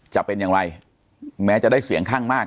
จะเป็นอย่างไรแม้จะได้เสียงข้างมาก